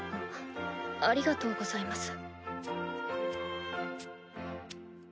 ありがとうございます。